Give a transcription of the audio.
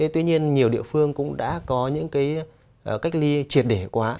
tuy nhiên nhiều địa phương cũng đã có những cách ly triệt để quá